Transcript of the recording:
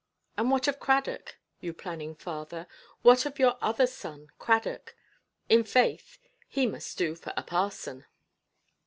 And what of Cradock, you planning father, what of your other son, Cradock? In faith, he must do for a parson.